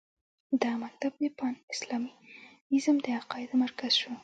دغه مکتب د پان اسلامیزم د عقایدو مرکز شو.